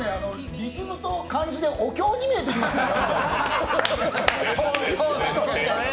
リズムと漢字でお経に見えてきますね。